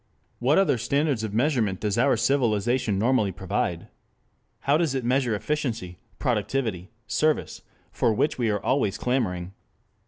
What other standards of measurement does our civilization normally provide? How does it measure efficiency, productivity, service, for which we are always clamoring?